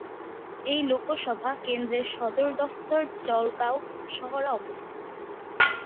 এই লোকসভা কেন্দ্রের সদর দফতর জলগাঁও শহরে অবস্থিত।